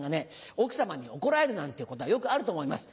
奥さまに怒られるなんてことはよくあると思います。